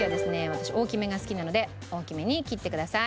私大きめが好きなので大きめに切ってください。